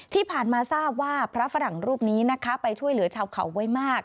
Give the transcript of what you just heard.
ที่ผ่านมาทราบว่าพระฝรั่งรูปนี้นะคะไปช่วยเหลือชาวเขาไว้มาก